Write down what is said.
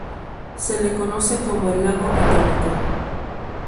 Se le conoce como el "lago atómico".